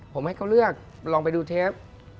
ผมให้เขาเลือกลองไปดูเทป